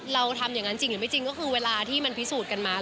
เราทำอย่างนั้นจริงหรือไม่จริงก็คือเวลาที่มันพิสูจน์กันมา